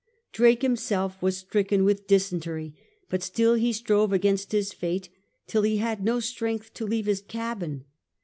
Drake himself was stricken with dysentery, but still he strove against his fate till he had no strength to leave his cabin.